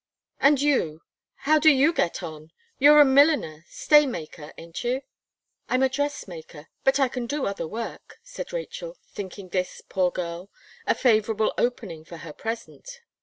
"And you how do you get on? You 're a milliner, stay maker ain't you?" "I am a dress maker; but I can do other work," said Rachel, thinking this, poor girl! a favourable opening for her present.